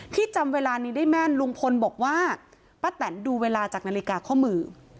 จำเวลานี้ได้แม่นลุงพลบอกว่าป้าแตนดูเวลาจากนาฬิกาข้อมือ